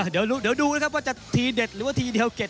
เดี๋ยวดูนะครับว่าจะทีเด็ดหรือว่าทีเดียวเด็ด